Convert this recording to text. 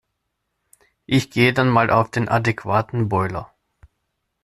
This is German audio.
Ich gehe dann mal auf den adäquaten Boiler.